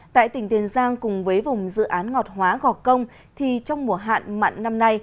tại tỉnh tiền giang cùng với vùng dự án ngọt hóa gọt công thì trong mùa hạn mặn năm nay